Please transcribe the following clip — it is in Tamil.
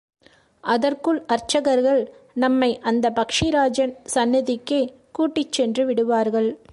அதற்குள் அர்ச்சர்கள் நம்மை அந்தப் பக்ஷிராஜன் சந்நிதிக்கே கூட்டிச்சென்று விடுவார்கள்.